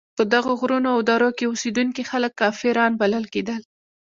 په دغو غرونو او درو کې اوسېدونکي خلک کافران بلل کېدل.